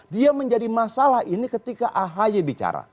dia menjadi masalah ini ketika ahy bicara